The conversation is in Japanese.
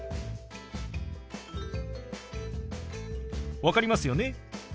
分かりますよね？